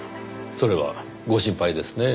それはご心配ですねぇ。